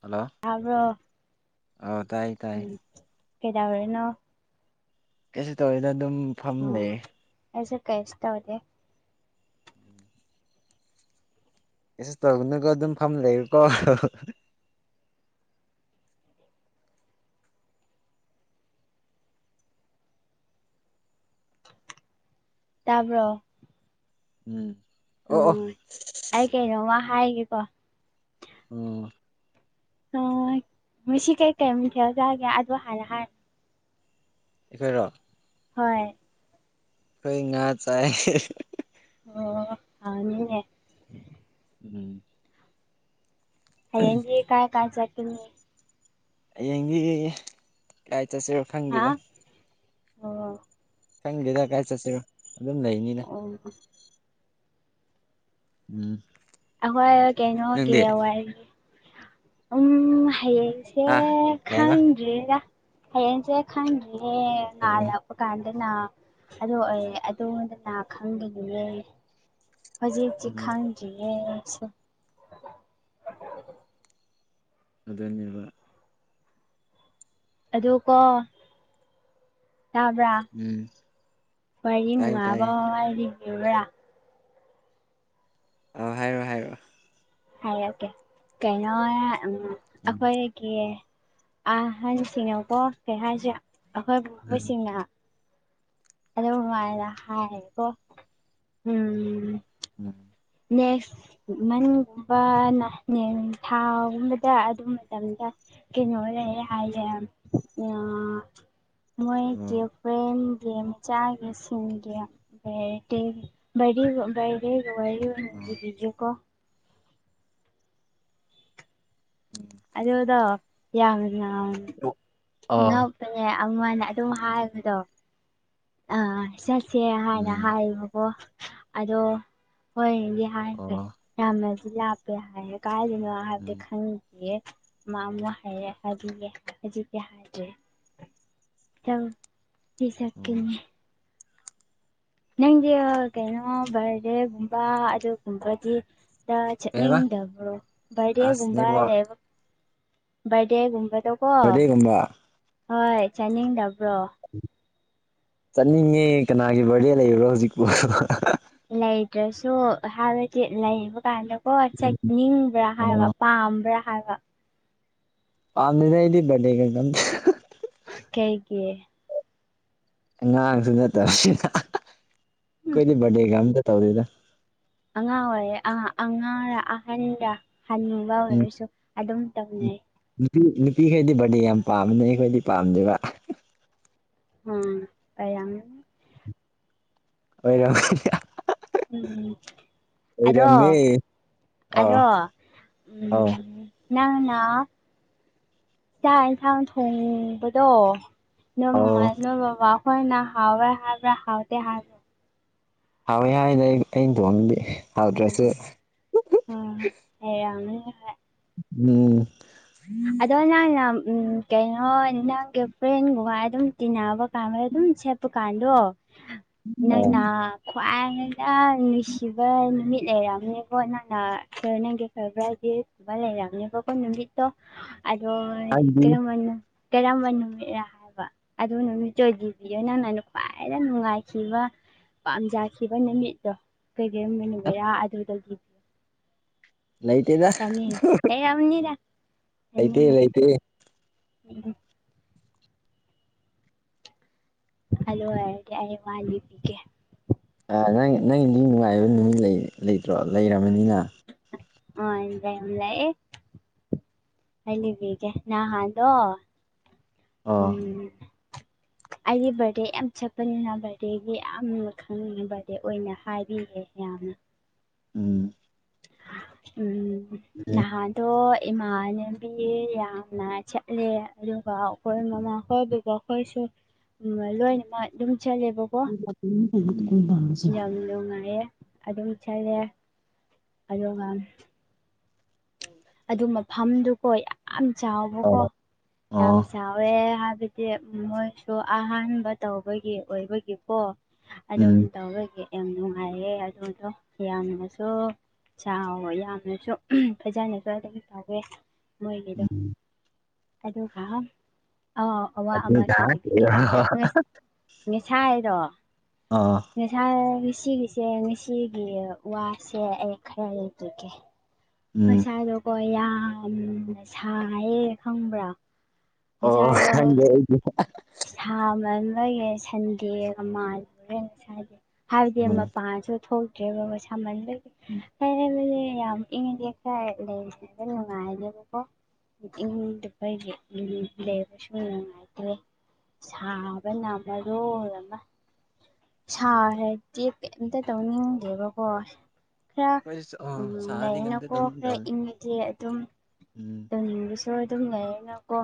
hello ꯇꯕ꯭ꯔꯣ ꯑꯥꯎ ꯇꯥꯏ ꯇꯥꯏ ꯎꯝ ꯀꯩꯗꯧꯔꯤꯅꫭ ꯀꯩꯁꯦ ꯇ ꯑꯣꯏꯗ ꯑꯗꯨꯝ ꯐꯝ ꯎꯝ ꯂꯩꯌꯦ ꯑꯦꯁꯨ ꯀꯩꯁ ꯇꯧꯗꯦ ꯀꯩꯁꯨ ꯇꯧꯒꯅꯨꯀꯣ ꯑꯗꯨꯝ ꯐꯝ ꯂꯩꯔꯀꯣ ꯇꯥꯕ꯭ꯔꯣ ꯎꯝ ꯑꯣ ꯑꯣ ꯎꯝ ꯑꯩ ꯀꯩꯅꯣꯃ ꯍꯥꯏꯒꯦꯀꯣ ꯑꯣ ꯑ ꯃꯁꯤ ꯀꯩ ꯀꯩꯝ ꯊꯦꯖꯑꯒꯦ ꯑꯗꯨꯗ ꯍꯥꯏꯥꯟꯅ ꯍꯥꯏ ꯑꯩꯈꯣꯏꯔꯣ ꯍꯣꯏ ꯑꯩꯈꯣꯏ ꯉꯥ ꯆꯥꯏ ꯑꯣ ꯑꯅꯤꯅꯦ ꯎꯝ ꯍꯌꯦꯡꯗꯤ ꯀꯥꯏ ꯀꯥꯏ ꯆꯦꯀ ꯍꯌꯦꯡꯒꯤ ꯀꯥꯏ ꯆꯠꯁꯦ ꯍꯥ ꯑꯣ ꯈꯪꯗꯦꯗ ꯀꯗꯥꯥꯏ ꯆꯠꯁꯤꯔꯣ ꯑꯗꯨꯝ ꯂꯩꯅꯤꯅ ꯑꯣ ꯎ ꯑꯋꯥꯏ ꯀꯩꯅꯣꯒꯤꯋꯥꯏ ꯎꯝ ꯍꯥꯏꯌꯦꯁꯦ ꯍꯥ ꯀꯩ ꯍꯥꯏꯕ ꯈꯪ ꯔꯦꯗ ꯍꯌꯦꯡꯁꯦ ꯈꯟꯗ꯭ꯔꯤꯌ‌ꯦ ꯑꯣ ꯑꯣ ꯅꯥꯔꯛ ꯄ ꯀꯥꯟꯗꯅ ꯑꯗꯨ ꯑꯣꯏꯔꯦ ꯑꯗꯨꯣꯟꯗꯅ ꯈꯪꯗꯕꯅꯦ ꯍꯧꯖꯤꯛꯁꯤ ꯎꯝ ꯈꯪꯗ꯭ꯔꯤꯌꯦ ꯁꯦ ꯑꯗꯨꯅꯦꯕ ꯑꯗꯨ ꯀꯣ ꯇꯥꯕ꯭ꯔꯥ ꯎꯝ ꯃꯔꯤꯡ ꯇꯥꯏ ꯇꯥꯏ ꯅꯨꯡꯉꯥꯏꯕꯣ ꯍꯥꯏꯗꯤ ꯀ꯭ꯔꯤꯔ ꯑꯥ ꯍꯥꯏꯔꯣꯏ ꯍꯥꯏꯔꯣꯏ ꯍꯥꯏꯔꯛꯀꯦ ꯀꯩꯅꯣ ꯎꯝ ꯎꯝ ꯑꯩꯈꯣꯏ ꯀꯦ ꯑꯍꯟꯁꯤꯡꯅꯀꯣ ꯀꯩ ꯍꯥꯏꯁꯤꯔ ꯑꯈꯣꯏ ꯎꯝ ꯄꯨꯄꯨꯁꯤꯡꯅ ꯑꯗꯨ ꯃꯥꯏꯅ ꯍꯥꯏꯌꯦꯀꯣ ꯎꯝ ꯎꯝ ꯅꯦꯛꯁ ꯃꯅꯨꯡꯒꯨꯝꯕꯅ ꯅꯦ ꯊꯥꯎꯒꯨꯝꯕꯗ ꯑꯗꯨ ꯃꯇꯝꯗ ꯀꯩꯅꯣ ꯂꯩꯌꯦ ꯍꯥꯏꯌꯦ ꯑ ꯃꯣꯏ ꯑꯣ ꯆꯦ ꯔꯦꯟꯒꯦꯝ ꯆꯥꯒꯦ ꯁꯤꯡꯒꯤ ꯔꯦꯗꯤ ꯕꯔꯠꯗꯦꯒ ꯕꯔꯠꯗꯦꯒꯤ ꯋꯥꯔꯤ ꯑꯣꯏꯅ ꯑꯣ ꯂꯤꯕꯤꯒꯦ ꯀꯣ [unintelligible] ꯑꯗꯨꯗꯣ ꯌꯥꯝꯅ ꯎꯝ ꯑꯣ ꯅꯞ ꯗꯨꯅꯦ ꯑꯃꯥꯅ ꯑꯗꯨꯝ ꯍꯥꯏꯕꯗꯣ ꯑꯥ ꯆꯠ ꯁꯦ ꯍꯥꯏꯅ ꯎꯝ ꯍꯥꯏꯌꯦꯕꯀꯣ ꯑꯗꯣ ꯍꯣꯏꯗꯤ ꯍꯥꯏꯈ꯭ꯔꯦ ꯑꯣ ꯌꯥꯝꯅꯁꯨ ꯂꯥꯞꯄꯦ ꯍꯥꯏꯌꯦ ꯀꯥꯏꯗꯅꯣ ꯍꯥꯏꯕꯗꯤ ꯎꯝ ꯈꯪꯗꯦ ꯍꯥꯏꯌꯦ ꯌꯦ ꯃꯃꯣ ꯍꯥꯏꯌꯦ ꯑꯗꯨꯒꯤ ꯍꯥꯏꯖꯤꯛꯇꯤ ꯍꯥꯏꯗ꯭ꯔꯦ ꯌꯥꯝ ꯑꯣ ꯄꯤꯁꯀꯤꯅꯤ ꯅꯪꯖꯦꯑꯥ ꯀꯩꯅꯣ ꯕꯥꯔꯗꯦꯒꯨꯝꯕ ꯑꯗꯨꯒꯨꯝꯕꯗꯤ ꯗ ꯀꯩꯕ ꯆꯠꯅꯤꯡꯗꯕ꯭ꯔꯣ ꯑꯁ ꯕꯔꯗꯦꯒꯨꯝꯕ ꯅꯦꯠꯋꯥꯛ ꯂꯩꯕ ꯕꯥꯔꯗꯦꯒꯨꯝꯕꯗꯣ ꯀꯣ ꯕꯥꯔꯗꯦꯒꯨꯝꯕ ꯍꯣꯏ ꯆꯠꯅꯤꯡꯗꯕ꯭ꯔꯣ ꯆꯠꯅꯤꯡꯉꯦ ꯀꯅꯥꯒꯤ ꯕꯥꯔꯗꯦ ꯂꯩꯕ꯭ꯔꯣ ꯍꯧꯖꯤꯛꯄꯨ [unintelligible] ꯂꯩꯇ꯭ꯔꯁꯨ ꯍꯥꯏꯕꯗꯤ ꯂꯩꯕ ꯀꯥꯟꯗꯀꯣ ꯆꯠꯅꯤꯡꯕ꯭ꯔꯥ ꯍꯥꯏꯕ ꯄꯥꯝꯕ꯭ꯔꯥ ꯍꯥꯏꯕ ꯄꯥꯝꯗꯦꯗ ꯑꯩꯗꯤ ꯕꯥꯔꯗꯦꯒꯒ ꯑꯝꯇ [unintelligible] ꯀꯩꯒꯤ ꯑꯉꯥꯡꯁꯨ ꯅꯠꯇꯕꯁꯤꯗ [unintelligible] ꯎꯝ ꯑꯈꯣꯏꯗꯤ ꯕꯥꯔꯗꯦꯒ ꯑꯝꯇ ꯇꯧꯗꯦꯗ ꯑꯉꯥꯡ ꯑꯣꯏꯔꯦ ꯑꯉꯥꯡ -ꯑꯉꯥꯡꯔ ꯑꯍꯟꯔ ꯍꯟꯅꯨꯕ ꯎꯝ ꯑꯣꯏꯔꯁꯨ ꯑꯗꯨꯝ ꯎꯝ ꯇꯧꯅꯩ ꯅꯨꯄꯤ -ꯅꯨꯄꯤꯈꯩꯗꯤ ꯕꯥꯔꯗꯦ ꯌꯥꯝ ꯄꯥꯝꯕꯅꯦ ꯑꯩꯈꯣꯏꯗꯤ ꯄꯥꯝꯗꯦꯕ ꯎꯝ ꯄꯌꯥꯝꯃꯦ ꯑꯣꯏꯔ [unintelligible] ꯎꯝ ꯑꯣꯏꯔꯝꯃꯦ ꯑꯗꯣ ꯑꯥꯎ ꯑꯗꯣ ꯑꯧ ꯎꯝ ꯅꯪꯅ ꯆꯥꯛ -ꯏꯟꯁꯥꯡ ꯊꯣꯡꯕꯗꯣ ꯅꯣꯏ ꯑꯧ ꯃꯃꯥ ꯅꯣꯏ ꯕꯥꯕꯥ ꯍꯣꯏꯅ ꯍꯥꯎꯋꯦ ꯍꯥꯕ꯭ꯔ ꯍꯥꯎꯇꯦ ꯍꯥꯏ ꯍꯥꯎꯋꯦ ꯍꯥꯏꯅ ꯑꯩ -ꯑꯩꯅ ꯊꯣꯡꯕꯗꯤ ꯍꯥꯎꯇ꯭ꯔꯁꯨ ꯑꯣ ꯑꯥ ꯍꯩꯔꯝꯒꯅꯤ ꯎꯝ [unintelligible] ꯑꯗꯣ ꯅꯪꯅ ꯎꯝ ꯀꯩꯅꯣ ꯅꯪꯒꯤ ꯐ꯭ꯔꯦꯟꯒ꯭ꯋꯥꯏ ꯑꯗꯨꯝ ꯇꯤꯟꯅꯕ ꯄꯥꯝꯕ ꯗꯨꯝ ꯁꯦꯠꯄꯀꯥꯟꯗꯣ ꯑꯣ ꯅꯪꯅ ꯈ꯭ꯋꯥꯗ ꯌꯥꯝ ꯅꯨꯡꯁꯤꯕ ꯅꯨꯃꯤꯠ ꯂꯩꯔꯝꯅꯤ ꯀꯣ ꯅꯪꯅ ꯁꯔ ꯅꯪꯒꯤ ꯐꯦꯕ꯭ꯔꯥꯏꯗ ꯗꯦ ꯕ ꯂꯩꯔꯝꯅꯤꯕꯀꯣ ꯅꯨꯃꯤꯠꯇꯣ ꯑꯗꯣ ꯍꯥꯏꯗꯤ ꯀꯔꯝꯕꯅꯣ ꯀꯔꯝꯕ ꯅꯨꯃꯤꯠ ꯔꯥ ꯍꯥꯏꯕ ꯑꯗꯨ ꯅꯨꯃꯤꯠꯇꯣ ꯗꯤꯕꯤꯌꯣ ꯅꯪꯅ ꯈ꯭ꯋꯥꯏꯗ ꯅꯨꯡꯉꯥꯏꯈꯤꯕ ꯄꯥꯝꯖꯈꯤꯕ ꯅꯨꯃꯤꯠꯇꯣ ꯀꯩꯒꯨꯝꯃꯤꯅꯨꯒꯦꯔꯥ ꯑꯗꯨꯗꯨꯒꯤ ꯂꯩꯇꯦꯗ [unintelligible] ꯔ ꯂꯩꯇꯦ ꯂꯩꯇꯦ ꯍꯜꯂꯣ ꯍꯥꯏꯔꯒꯦ ꯑꯩ ꯋꯥꯂꯤ ꯏꯕꯤꯒꯦ ꯅꯪ ꯅꯪꯒꯤꯗꯤ ꯅꯨꯡꯉꯥꯏꯕ ꯅꯨꯃꯤ ꯂꯩꯇ꯭ꯔꯣ ꯂꯩꯔꯕꯅꯤꯅ ꯑ ꯏ ꯂꯩꯑꯌꯦ ꯑꯜꯂꯤꯕꯤꯒꯦ ꯅꯅꯥ ꯍꯥꯏꯗꯣ ꯑꯣ ꯎꯝ [inaudible] ꯑꯩꯗꯤ ꯕꯥꯔꯗꯦ ꯌꯥꯝ ꯆꯠꯄꯅꯤꯅ ꯕꯥꯔꯗꯦꯒꯤ ꯌꯥꯝ ꯈꯪꯅꯤꯡꯉꯦ ꯕꯥꯔꯗꯦ ꯑꯣꯏꯅ ꯍꯥꯏꯕꯤꯔꯦ ꯌꯥꯝꯅ ꯎꯝ ꯎꯝ ꯎꯝ ꯅꯍꯥꯟ ꯑꯗꯣ ꯏꯃꯥꯟꯅꯕꯤ ꯌꯥꯝꯅ ꯆꯠꯂꯦ ꯑꯗꯨꯒ ꯑꯩꯈꯣꯏ ꯃꯃꯥ ꯈꯣꯏꯕꯒꯣ ꯑꯩꯈꯣꯏꯁꯨ ꯂꯣꯏꯅꯃꯛ ꯑꯗꯨꯝ ꯆꯠꯂꯦꯕꯀꯣ ꯎ ꯀꯣꯏ ꯌꯥꯝ ꯅꯨꯡꯉꯥꯏꯌꯦ ꯑꯗꯨꯝ ꯆꯠꯂꯦ ꯑꯗꯨꯒ ꯎꯝ ꯑꯗꯨ ꯃꯐꯝꯗꯨꯀꯣ ꯌꯥꯝ ꯆꯥꯎꯕꯀꯣ ꯌꯥꯝ ꯑꯣ ꯆꯥꯎꯕ ꯀꯨ ꯑꯦ ꯍꯥꯏꯕꯗꯤ ꯃꯣꯏꯁꯨ ꯑꯍꯥꯟꯕ ꯇꯧꯕꯒꯤ ꯑꯣꯏꯕꯒꯤꯀꯣ ꯑꯗꯨꯝ ꯎꯝ ꯇꯧꯔꯒꯦ ꯌꯥꯝ ꯅꯨꯡꯉꯥꯏꯌꯦ ꯑꯗꯨꯗꯣ ꯌꯥꯝꯅꯁꯨ ꯆꯥꯎꯋ ꯌꯥꯝꯅꯁꯨ ꯐꯖꯅ ꯑꯗꯨ ꯑꯗꯨꯝ ꯇꯧꯋꯦ ꯃꯣꯏꯒꯤꯗꯣ ꯎꯝ ꯑꯗꯨꯒ ꯑꯋꯥ ꯑꯃ ꯑꯗꯨꯒ ꯁꯨꯖꯕꯤꯒꯦ ꯉꯁꯥ ꯍꯥꯏꯗꯣ ꯑꯥ ꯏꯁꯥ ꯉꯁꯤꯒꯤꯁꯦ ꯉꯁꯤꯒꯤ ꯋꯥꯁꯦ ꯑꯩ ꯈꯔ ꯂꯩꯖꯒꯦ ꯎꯝ ꯃꯁꯥꯗꯣꯀꯣ ꯌꯥꯝꯅ ꯁꯥꯏꯌꯦ ꯈꯪꯕ꯭ꯔꯥ ꯁꯥ ꯑꯣ ꯑ ꯈꯪꯗꯦ ꯑꯩꯗꯤ ꯏꯁ ꯑꯃ ꯑꯃꯒꯤ ꯁꯟꯗꯦ ꯑꯃꯜꯂꯨꯔꯦꯟ ꯁꯥꯗꯦ ꯍꯥꯏꯕꯗꯤ ꯎꯝ ꯃꯄꯥꯟꯁꯨ ꯊꯣꯛꯇ꯭ꯔꯦꯕ ꯑꯩ ꯁꯃꯟꯕꯒꯤ ꯍꯥꯏꯕꯗꯤ ꯌꯥꯝ ꯏꯪꯉꯗꯤ ꯈꯔ ꯂꯩꯔꯤꯕ ꯅꯨꯡꯉꯥꯏꯅꯦꯦꯕꯀꯣꯗ ꯎꯝ ꯑꯩꯣꯏꯒꯤ ꯂꯩꯕꯁꯨ ꯅꯨꯡꯉꯥꯏꯇꯦ ꯁꯥꯕꯅꯝꯃꯣꯏ ꯑꯃ ꯁꯥꯔꯦꯗꯤꯦ ꯀꯩꯝꯇ ꯇꯧꯅꯤꯡꯒꯦꯕꯀꯣ ꯈꯔ ꯑꯩꯈꯣꯏꯁꯨ ꯑꯣ ꯁꯥꯔꯗꯤ ꯀꯩꯝꯇ ꯂꯩꯔꯅꯀꯣ ꯈꯔ ꯇꯧꯅꯤꯡꯗꯕꯅꯤ ꯏꯪꯉꯗꯤ ꯑꯗꯨꯝ ꯎꯝ ꯇꯅꯤꯡꯕꯁꯨ ꯑꯗꯨꯝ ꯉꯌꯦꯅ ꯀꯣ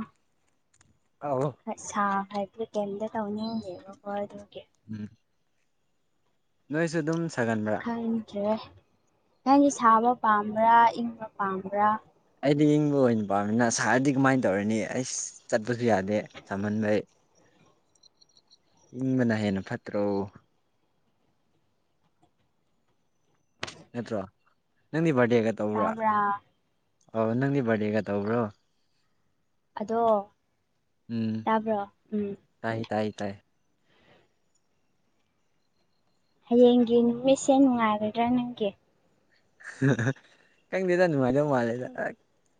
ꯑꯥꯎ ꯁꯥ ꯍꯥꯏꯗꯤ ꯀꯩꯝꯇ ꯇꯧꯅꯤꯡꯉꯦꯕꯀꯣ ꯑꯗꯨꯒꯤ ꯎꯝ ꯅꯣꯏꯁꯨ ꯑꯗꯨꯝ ꯁꯥꯒꯟꯕ꯭ꯔꯥ ꯈꯟꯗ꯭ꯔꯦ ꯅꯪꯒꯤ ꯁꯥꯕ ꯄꯥꯝꯕ꯭ꯔꯥ ꯏꯪꯕ ꯄꯥꯝꯕ꯭ꯔꯥ ꯑꯩꯗꯤ ꯏꯪꯕ ꯑꯣꯏꯅ ꯄꯥꯝꯃꯤꯅ ꯁꯥꯍꯔꯗꯤ ꯀꯃꯥꯏꯅ ꯇꯧꯔꯅꯤ ꯑꯩ ꯆꯠꯄꯁꯨ ꯌꯥꯗꯦ ꯁꯝꯍꯟꯕꯩ ꯏꯪꯕꯅ ꯍꯦꯟꯅ ꯐꯠꯇ꯭ꯔꯣ ꯅꯠꯇ꯭ꯔꯣ ꯅꯪꯗꯤ ꯕꯥꯔꯗꯦꯒ ꯇꯧꯕ꯭ꯔꯣ ꯇꯥꯕ꯭ꯔꯥ ꯑꯧ ꯅꯪꯗꯤ ꯕꯥꯔꯗꯦꯒ ꯇꯧꯕ꯭ꯔꯣ ꯑꯗꯣ ꯎꯝ ꯇꯥꯕ꯭ꯔꯣ ꯎꯝ ꯇꯥꯏ ꯇꯥꯏ ꯇꯥꯏ ꯍꯌꯦꯡꯒꯤ ꯅꯨꯃꯤꯠꯁꯦ ꯅꯨꯡꯉꯥꯏꯒꯗ꯭ꯔꯥ ꯅꯪꯒꯤ ꯈꯪꯗꯦꯗ ꯅꯨꯡꯉꯥꯏꯗꯧ ꯃꯥꯜꯂꯦꯗ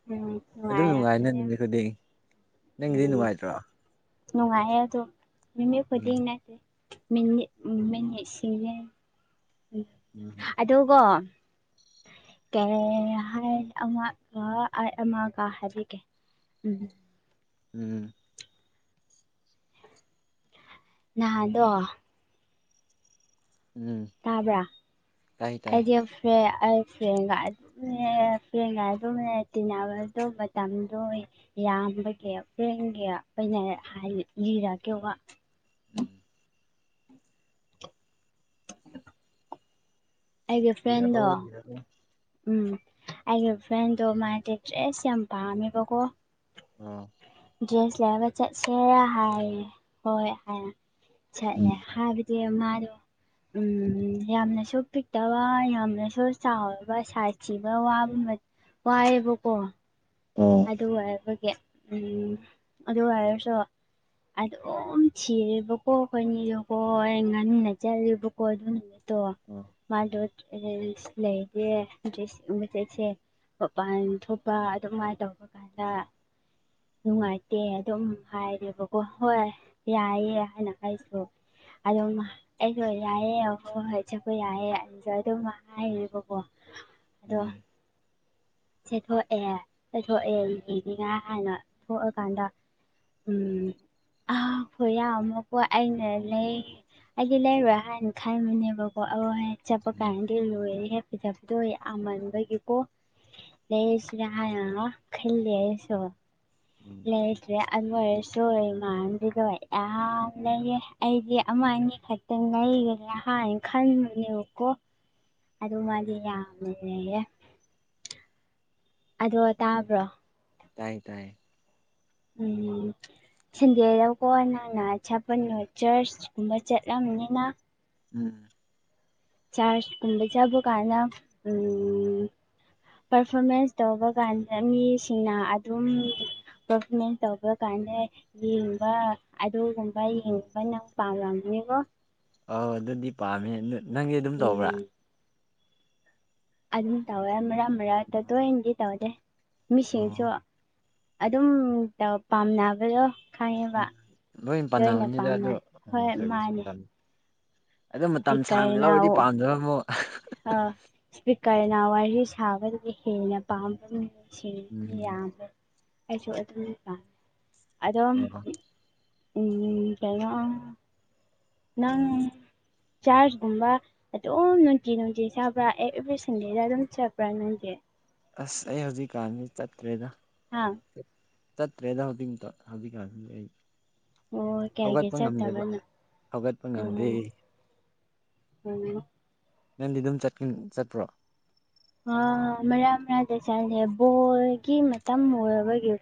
ꯎꯝ ꯑꯗꯨꯝ ꯅꯨꯡꯉꯥꯏ ꯅꯪ ꯅꯨꯡꯉꯥꯏꯔꯝꯅꯤ ꯅꯨꯃꯤꯠ ꯈꯨꯗꯤꯡ ꯅꯪꯒꯤꯗꯤ ꯎꯝ ꯅꯨꯡꯉꯥꯏꯇ꯭ꯔꯣ ꯅꯨꯡꯉꯥꯏꯌꯦ ꯑꯗꯣ ꯃꯤꯃꯤꯠ ꯎꯝ ꯈꯨꯗꯤꯡ ꯅꯠꯇꯦ ꯃꯤꯅꯤꯠ ꯎ ꯃꯤꯠꯁꯤꯅꯦ ꯎꯝ ꯑꯗꯨꯒꯣ ꯀꯩ ꯍꯥꯏ ꯑꯃꯒ ꯍꯥꯏꯕꯤꯒꯦ ꯎꯝ ꯎꯝ ꯅꯍꯥꯗꯣ ꯎꯝ ꯇꯥꯕ꯭ꯔꯥ ꯇꯥꯏ ꯇꯥꯏ ꯑꯩꯗꯤ ꯐ꯭ꯔꯦꯟ ꯑꯩ ꯐ꯭ꯔꯦꯟꯒ ꯐꯦꯟꯒ ꯑꯗꯨ ꯇꯤꯟꯅꯕꯗ ꯃꯇꯝꯗꯣ ꯌꯥꯝꯕꯒꯤ ꯐ꯭ꯔꯦꯡꯒꯤ ꯀꯩꯅ ꯍꯥꯏ ꯂꯤꯔꯒꯦꯀꯣ ꯎꯝ ꯑꯩꯒꯤ ꯐ꯭ꯔꯦꯟꯗꯣ ꯂꯤꯔꯛꯑꯣ ꯂꯤꯔꯛꯑꯣ ꯎꯝ ꯑꯩꯒꯤ ꯐ꯭ꯔꯦꯟꯗꯣ ꯃꯥꯗꯤ ꯗ꯭ꯔꯦꯁ ꯌꯥꯝ ꯄꯥꯝꯃꯦꯕꯀꯣ ꯑ ꯗ꯭ꯔꯦꯁ ꯂꯩꯕ ꯆꯠꯁꯦ ꯍꯥꯏꯌꯦ ꯍꯣꯏ ꯍꯥꯏ ꯆꯠꯂꯦ ꯎꯝ ꯍꯥꯏ ꯃꯥꯔꯣ ꯎ ꯌꯥꯝꯅꯁꯨ ꯄꯤꯛꯇꯕ ꯌꯥꯝꯅꯁꯨ ꯆꯥꯎꯕ ꯁꯥꯏꯁ ꯊꯤꯕ ꯋꯥ ꯄꯥꯏꯔꯤꯕ ꯀꯣ ꯑꯣ ꯑꯗꯨ ꯍꯥꯏꯕꯒꯤ ꯑꯗꯨ ꯑꯣꯏꯔꯁꯨ ꯑꯗꯨꯝ ꯊꯤꯔꯦꯕꯀꯣ ꯑꯩꯈꯣꯏꯅꯤꯔꯀꯣ ꯑꯩ ꯉꯥꯟꯅ ꯆꯠꯦꯕꯀꯣ ꯑꯗꯨꯅ ꯠꯇꯣ ꯑꯣ ꯃꯥꯗ ꯂꯩꯗ ꯃ ꯎꯆꯖꯦꯁ ꯃꯄꯥꯟ ꯊꯣꯛꯄ ꯑꯗꯨꯃꯥꯏꯅ ꯇꯧ ꯆꯠꯄ ꯀꯥꯟꯗ ꯅꯨꯡꯉꯥꯏꯇꯦ ꯑꯗꯨꯝ ꯍꯥꯏꯔꯦꯕꯀꯣ ꯍꯣꯏ ꯎꯝ ꯌꯥꯏꯑꯌꯦ ꯍꯥꯏꯅ ꯑꯩꯁꯨ ꯑꯗꯨꯝ ꯑꯩꯁꯨꯣ ꯌꯥꯏꯑꯦ ꯑ ꯍ ꯍꯣꯏ ꯆꯠꯄ ꯌꯥꯏꯑꯦꯁꯨ ꯑꯗꯨꯝ ꯍꯥꯏꯕꯀꯣ ꯎꯝ ꯆꯊꯣꯛꯑꯦ ꯆꯦꯊꯣꯛꯑꯦ ꯌꯦꯅꯤꯡꯉꯥꯏ ꯍꯥꯏꯅ ꯊꯣꯛꯑꯀꯥꯟꯗ ꯎꯝ ꯈꯨꯌꯥ ꯑꯃꯨꯀꯣ ꯑꯩꯅ ꯂꯩ ꯑꯩꯗꯤ ꯂꯩꯔꯣꯏ ꯍꯥꯏꯟꯅ ꯈꯥꯏꯕꯅꯦꯕꯀꯣ ꯑ ꯍꯥꯏ ꯆꯠꯄ ꯎꯝ ꯀꯥꯏꯅꯗꯤ ꯂꯣꯏꯔꯦ ꯍꯦꯛ ꯐꯖꯕꯗꯣ ꯌꯥꯝꯃꯟꯕꯒꯤꯀꯣ ꯂꯩꯁꯤꯔ ꯍꯤꯏꯔꯒ ꯈꯜꯂꯤ ꯌꯦꯁꯨ ꯎꯝ ꯂꯩꯗ꯭ꯔꯦ ꯑꯗꯨ ꯑꯣꯏꯁꯨ ꯏꯃꯥꯟꯅꯕꯤꯗꯣ ꯌꯥꯝ ꯎꯝ ꯂꯩꯌꯦ ꯑꯩꯗꯤ ꯑꯃ ꯑꯅꯤ ꯈꯛꯇꯪ ꯂꯩꯒꯗ꯭ꯔꯥ ꯍꯥꯏꯅ ꯈꯟꯕꯅꯦꯕꯀꯣ ꯑꯗꯨ ꯃꯥꯗꯤ ꯌꯥꯝꯅꯍꯦ ꯑꯗꯣ ꯇꯥꯕ꯭ꯔꯣ ꯇꯥꯏ ꯇꯥꯏ ꯎꯝ ꯁꯟꯗꯦꯗꯀꯣ ꯅꯪꯅ ꯁꯥꯄꯜꯣ ꯆꯔꯆ ꯀꯨꯝꯕ ꯆꯠꯂꯝꯅꯤꯅ ꯎꯝ ꯆꯥꯔꯖꯀꯨꯝꯕ ꯆꯥꯕ ꯀꯥꯟꯥꯏꯅ ꯎꯝ ꯄꯔꯐꯣꯔꯃꯦꯟꯁ ꯇꯧꯕ ꯀꯥꯟꯗ ꯃꯤꯁꯤꯡꯅ ꯑꯗꯨꯝ ꯄꯔꯐꯣꯔꯃꯦꯟꯁ ꯇꯧꯕ ꯀꯅ ꯌꯦꯡꯕ ꯑꯗꯨꯒꯨꯝꯕ ꯌꯦꯡꯕ ꯅꯪ ꯄꯥꯝꯂꯝꯒꯅꯤꯀꯣ ꯑꯧ ꯑꯗꯨꯗꯤ ꯄꯥꯝꯃꯦ ꯅꯪꯒꯤ ꯑꯗꯨꯝ ꯇꯧꯕ꯭ꯔꯥ ꯎꯝ ꯑꯗꯨꯝ ꯇꯧꯋꯦ ꯃꯔꯛ ꯃꯔꯛ ꯇ ꯇꯣꯏꯅꯗꯤ ꯇꯧꯗꯦ ꯃꯤꯁꯤꯡꯁꯨ ꯑꯣ ꯑꯗꯨꯝ ꯄꯥꯝꯅꯕꯗꯣ ꯈꯪꯉꯤꯕ ꯎꯝ ꯂꯣꯏ ꯂꯣꯏꯅ ꯄꯥꯟꯅꯕꯅꯤꯗ ꯑꯗꯣ ꯄꯥꯝꯅꯩ ꯑꯣ ꯍꯣꯏ ꯁꯥꯔꯚꯤꯁ ꯃꯥꯅꯦ ꯃꯇꯝ ꯑꯗꯨ ꯃꯇꯝ ꯁꯥꯡꯅ ꯏꯁꯄꯤꯀꯔꯅ ꯂꯧꯔꯗꯤ ꯄꯥꯝꯗꯔꯝꯃꯣ ꯏꯁꯄꯤꯀꯔꯅ ꯋꯥꯔꯤ ꯁꯥꯕꯗꯨꯗꯒꯤ ꯍꯦꯟꯅ ꯄꯥꯝꯕꯅꯤ ꯁꯤ ꯎꯝ ꯌꯥꯝꯃꯦ ꯑꯩꯁꯨ ꯑꯗꯨꯝ ꯄꯥꯝꯃꯦ ꯑꯗꯣ ꯑꯣ ꯀꯣ ꯅꯪ ꯆꯥꯔꯖꯒꯨꯝꯕ ꯑꯗꯨꯝ ꯅꯨꯡꯇꯤ ꯅꯨꯡꯇꯤ ꯆꯥꯕ꯭ꯔꯥ ꯑꯦ ꯑꯦꯕ꯭ꯔꯤ ꯁꯟꯗꯦꯗ ꯑꯗꯨꯝ ꯆꯠꯕ꯭ꯔꯥ ꯅꯪꯇꯤ ꯑꯁ ꯑꯩ ꯍꯧꯖꯤꯛꯀꯥꯟꯗꯤ ꯆꯠꯇ꯭ꯔꯦꯗ ꯍꯥꯥ ꯇꯠꯇꯔ꯭ꯦꯗ ꯍꯧꯖꯤꯛ ꯃꯇꯝ ꯍꯧꯖꯤꯛ ꯀꯥꯟ ꯑꯩ ꯑꯣ ꯀꯌꯥꯒꯤ ꯍꯧꯒꯠꯄ ꯉꯝꯗꯦꯕ ꯆꯠꯇꯕꯅꯣ ꯍꯧꯒꯠꯄ ꯉꯝꯗꯦ ꯎꯝ ꯎꯝ ꯅꯣ ꯅꯪꯗꯤ ꯑꯗꯨꯝ ꯆꯠ ꯎꯪ ꯆꯠꯄ꯭ꯔꯣ ꯑ ꯃꯔꯥꯛ ꯃꯔꯥꯛꯗ ꯆꯠꯂꯦ ꯕꯣꯜꯒꯤ ꯃꯇꯝ ꯑꯣꯏꯔꯕꯒꯤ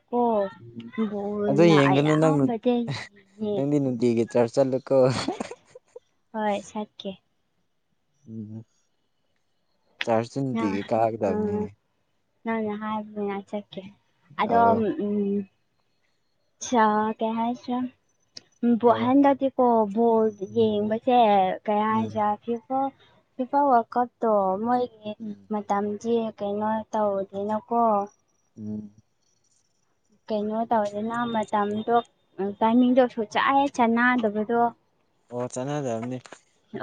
ꯎꯝ ꯑꯗꯣ ꯌꯦꯡꯒꯅꯨ ꯅꯪ ꯅꯨꯡ ꯑꯌꯥꯝꯕꯗ ꯑ ꯌꯦꯡꯉꯦ ꯅꯪꯗꯤ ꯅꯨꯡꯇꯤꯒꯤ ꯆꯔꯁ ꯆꯠꯂꯨꯀꯣ ꯍꯣꯏ ꯁꯠꯀꯦ ꯎꯝ ꯅꯪ ꯆꯥꯔꯆꯟꯇꯤꯒꯤ ꯀꯥꯒꯗꯕꯅꯤꯅꯦ ꯎꯝ ꯅꯪꯅ ꯍꯥꯏꯕꯅꯤꯅ ꯆꯠꯀꯦ ꯑꯗꯣ ꯑꯧ ꯎꯝ ꯆꯥ ꯀꯩꯍꯥꯏꯁꯤꯔ ꯎꯝ ꯕꯣ ꯍꯥꯏꯔꯣ ꯍꯟꯗꯛꯇꯤꯀꯣ ꯕꯣꯜ ꯌꯦꯡꯕꯁꯦ ꯀꯌꯥ ꯎꯝ ꯍꯥꯏꯁꯤꯔꯥ ꯍꯣ ꯐꯤꯐꯥ ꯋꯥꯜꯀꯞꯇꯣ ꯃꯣꯏꯒꯤ ꯎꯝ ꯃꯇꯝꯖꯤ ꯀꯩꯅꯣ ꯇꯧꯗꯤꯅꯀꯣ ꯎꯝ ꯀꯩꯅꯣ ꯇꯧꯗꯅ ꯃꯇꯝꯗꯣ ꯇꯥꯏꯃꯤꯡꯗꯣ ꯁꯨꯛꯆꯥꯍꯦꯛ ꯆꯥꯟꯅꯗꯕꯗꯣ ꯑꯣ ꯆꯥꯟꯅꯗꯕꯅꯤ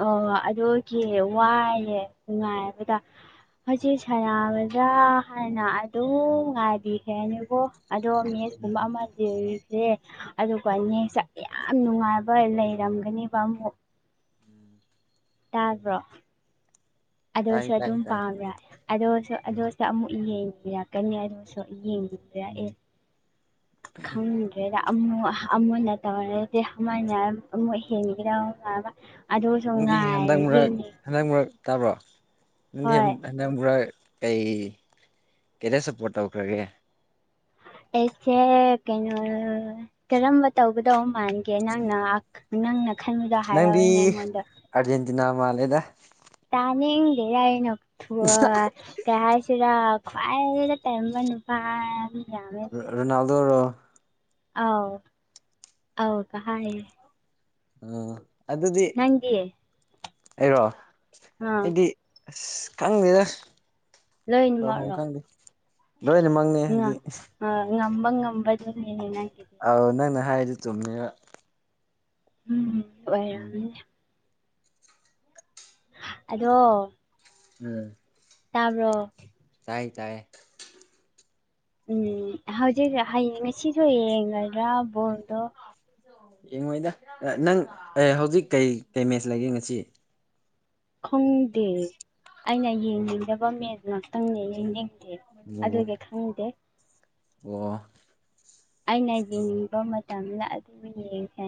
ꯑꯣ ꯑꯗꯨꯒꯤ ꯋꯥꯏꯑꯦ ꯅꯨꯡꯉꯥꯏꯕꯗ ꯍꯧꯖꯤꯛ ꯎꯝ ꯁꯥꯟꯅꯕꯗ ꯍꯥꯟꯅ ꯑꯗꯨꯝ ꯉꯥꯏꯕꯤꯈ꯭ꯔꯦꯅꯦꯕꯣ ꯑꯗꯣ ꯃꯦꯁ ꯀꯨꯝꯕ ꯎꯝ ꯑꯃ ꯔꯤꯖꯦ ꯑꯗꯨꯒ ꯅꯦꯛꯁ ꯇ ꯌꯥꯝ ꯅꯨꯡꯉꯥꯏꯕ ꯂꯩꯔꯝꯒꯅꯦꯕ ꯑꯃꯨꯛ ꯎꯝ ꯇꯥꯕ꯭ꯔꯣ ꯇꯥꯏ ꯑꯗꯨꯁꯨ ꯇꯥꯏ ꯑꯗꯨꯝ ꯇꯥꯏ ꯄꯥꯝꯕꯔꯥ ꯑꯗꯨꯁꯨ ꯎꯝ ꯑꯗꯨꯁꯨ ꯑꯃꯨꯛ ꯌꯦꯡꯕꯤꯔꯛ ꯀꯅꯤ ꯍꯥꯏꯗꯨꯁꯨ ꯎꯝ ꯌꯦꯡꯉꯑꯦ ꯈꯪ ꯑꯃꯨ ꯑꯃꯨꯟꯅ ꯇꯧꯔꯗꯤ ꯑꯃꯥꯏꯅ ꯑꯃꯨꯛ ꯍꯦꯟꯒꯤꯗꯧ ꯃꯕ ꯑꯗꯨꯁꯨ ꯅꯪꯗꯤ ꯉꯥꯏ ꯍꯟꯗꯛ ꯃꯔꯛ ꯌꯦꯅꯦ ꯍꯟꯗꯛ ꯃꯔꯛ ꯇꯥꯕ꯭ꯔꯣ ꯅꯪꯗꯤ ꯌꯥꯝ ꯍꯟꯗꯛ ꯃꯔꯛ ꯀꯩ ꯀꯩꯗ ꯁꯞꯄꯣꯔꯠ ꯇꯧꯈ꯭ꯔꯒꯦ ꯑꯩꯁꯦ ꯀꯩꯅꯣ ꯀꯔꯝꯕ ꯇꯧꯒꯗꯧ ꯃꯥꯟꯒꯦ ꯅꯪꯅ ꯅꯪꯅ ꯈꯟꯕꯗꯣ ꯅꯪꯗꯤ ꯍꯥꯏꯔꯛꯑꯣꯅꯦ ꯑꯩꯉꯣꯟꯗ ꯑꯥꯔꯖꯦꯟꯇꯤꯅꯥ ꯃꯥꯜꯂꯦꯗ ꯇꯥꯅꯤꯡꯗꯦ ꯔꯥꯏꯅꯊ ꯀꯩ ꯍꯥꯏꯁꯤꯔ ꯈ꯭ꯋꯥꯏꯗ ꯇꯥꯟꯕ ꯅꯨ ꯄꯥꯏ ꯌꯥꯝꯃꯦ ꯑꯗꯨꯗ ꯔꯣꯅꯥꯜꯗꯣ ꯔꯣ ꯑꯧ ꯑꯧ ꯀꯥ ꯍꯥꯏꯌꯦ ꯑꯥ ꯑꯗꯨꯗꯤ ꯅꯪꯗꯤ ꯑꯩꯔꯣ ꯑꯥ ꯑꯩꯗꯤ ꯑꯁ ꯈꯪꯗꯦꯗꯁ ꯇꯧꯐꯝ ꯈꯪꯗꯦ ꯂꯣꯏꯅ ꯃꯪꯉꯦ ꯎ ꯉꯝꯕ ꯉꯝꯕ ꯗꯨꯅꯤꯅꯦ ꯅꯪꯒꯤꯗꯤ ꯑꯥꯎ ꯅꯪꯅ ꯍꯥꯏꯔꯗꯤ ꯆꯨꯝꯃꯦꯕ ꯎꯝ ꯎꯝ ꯑꯣꯏꯔꯝꯅꯤ ꯑꯗꯣ ꯎꯝ ꯇꯥꯕ꯭ꯔꯣ ꯇꯥꯏ ꯇꯥꯏꯌꯦ ꯎꯝ ꯍꯧꯖꯤꯛ ꯍꯌꯦꯡ ꯉꯁꯤꯁꯨ ꯌꯦꯡꯒꯗ꯭ꯔꯥ ꯕꯣꯜꯗꯣ ꯌꯦꯡꯉꯣꯏꯗ ꯑ ꯅꯪ ꯑꯦ ꯍꯧꯖꯤꯛ ꯀꯩ ꯀꯩ ꯃꯦꯆ ꯂꯩꯒꯦ ꯉꯁꯤ ꯈꯪꯗꯦ ꯑꯩꯅ ꯌꯦꯡꯅꯤꯡꯗꯕ ꯃꯦꯁ ꯉꯥꯛꯇꯪ ꯌꯦꯡꯅꯤꯡꯗꯦ ꯑꯣꯀꯦ ꯑꯗꯨꯗꯤ ꯈꯪꯗꯦ ꯋꯥ ꯑꯩꯅ ꯌꯦꯡꯕ ꯃꯇꯝꯗ ꯑꯗꯨꯕꯨ ꯌꯦꯡꯁꯦ